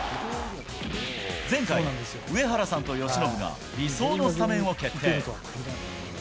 前回、上原さんと由伸が理想のスタメンを決定。